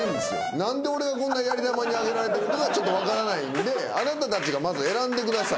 何で俺がこんなやり玉に挙げられてるかがちょっと分からないんであなたたちがまず選んでください。